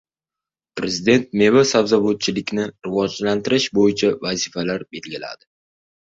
Prezident meva-sabzavotchilikni rivojlantirish bo‘yicha vazifalar belgiladi